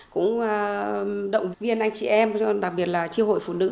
cũng động viên anh chị em đặc biệt là chí hội phụ nữ